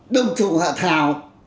đông trùng hạ thảo